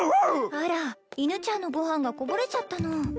あら犬ちゃんのご飯がこぼれちゃったの？